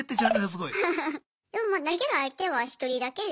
でもまあ投げる相手は１人だけです。